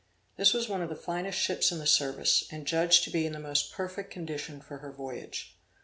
This was one of the finest ships in the service, and judged to be in the most perfect condition for her voyage.